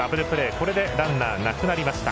これでランナーなくなりました。